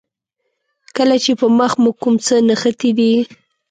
کله چې په مخ مو کوم څه نښتي دي.